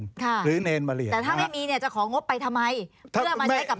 แต่ถ้าไม่มีเนี่ยจะของบไปทำไมเพื่อมาใช้กับโรงเรียน